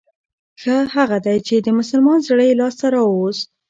ښه هغه دی چې د مسلمان زړه يې لاس ته راووست.